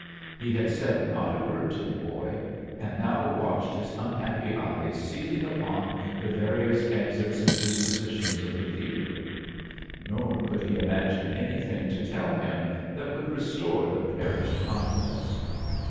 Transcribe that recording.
He had said not a word to the boy, and now watched his unhappy eyes seizing upon the various exits and dispositions of the theatre; nor could he imagine anything to tell him that should restore the perished confidence.